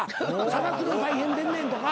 「探すの大変でんねん」とか。